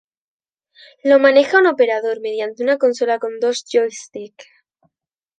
Lo maneja un operador mediante una consola con dos joysticks.